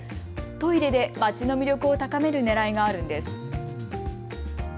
トイレで街の魅力を高めるねらいがあるんです。